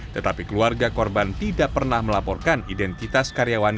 tetapi keluarga korban tidak pernah melaporkan identitas karyawan